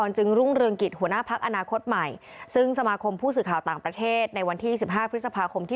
เพื่อเรียบร้อยศึกลงการน่าต่อไป